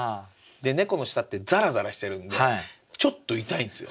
猫の舌ってザラザラしてるんでちょっと痛いんですよ。